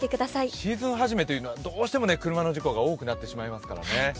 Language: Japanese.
シーズン始めというのはどうしても車の事故が多くなってしまいますからほ。